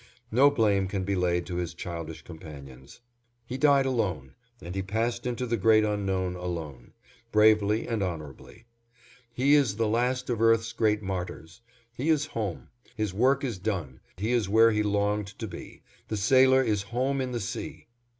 No blame can be laid to his childish companions. He died alone, and he passed into the great unknown alone, bravely and honorably. He is the last of Earth's great martyrs; he is home; his work is done; he is where he longed to be; the Sailor is Home in the Sea.